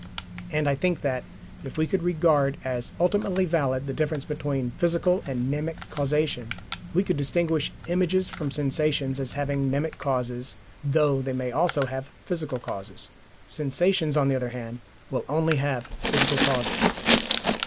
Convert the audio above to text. And I think that, if we could regard as ultimately valid the difference between physical and mnemic causation, we could distinguish images from sensations as having mnemic causes, though they may also have physical causes. Sensations, on the other hand, will only have physical causes.